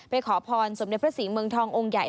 ขอพรสมเด็จพระศรีเมืองทององค์ใหญ่